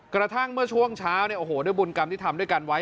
กระทั่งเมื่อช่วงเช้าเนี่ยโอ้โหด้วยบุญกรรมที่ทำด้วยกันไว้